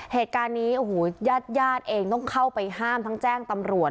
เหตุการณ์นี้ยาดเองต้องเข้าไปห้ามทั้งแจ้งตำรวจ